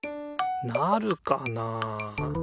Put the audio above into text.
なるかなあ。